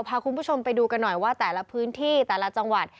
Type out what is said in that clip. พาคุณผู้ชมไปดูกันหน่อยว่าแต่ละพื้นที่แต่ละจังหวัด